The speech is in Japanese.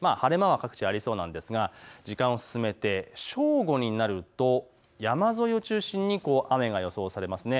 晴れ間は各地ありそうなんですが時間を進めて正午になると山沿いを中心に雨が予想されます。